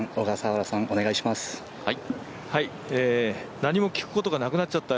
何も聞くことがなくなっちゃった。